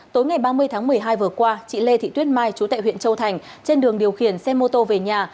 tối ngày ba mươi tháng một mươi hai vừa qua chị lê thị tuyết mai chú tại huyện châu thành trên đường điều khiển xe mô tô về nhà